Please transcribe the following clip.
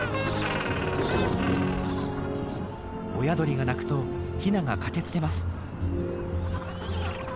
親鳥が鳴くとヒナが駆けつけます。